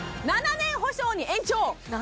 ７年保証に延長！